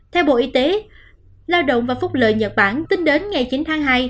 theo bộ y tế lao động và phúc lợi nhật bản tính đến ngày chín tháng hai